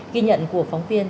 ghi nhận của phóng viên